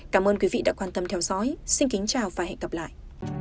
cảm ơn quý vị đã quan tâm theo dõi xin kính chào và hẹn gặp lại